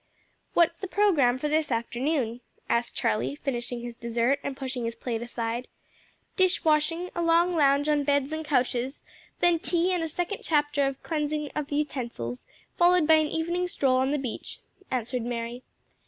"What's the programme for this afternoon?" asked Charlie, finishing his dessert and pushing his plate aside. "Dish washing, a long lounge on beds and couches, then tea and a second chapter of cleansing of utensils, followed by an evening stroll on the beach," answered Mary.